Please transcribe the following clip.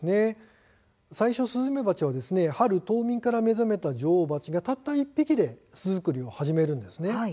最初スズメバチは春、冬眠から目覚めた女王蜂がたった１匹で巣作りを始めるんです。